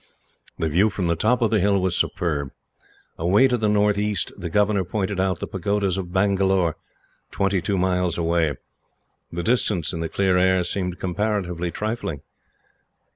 The view from the top of the hill was superb. Away to the northeast, the governor pointed out the pagodas of Bangalore, twenty two miles away; the distance, in the clear air, seeming comparatively trifling.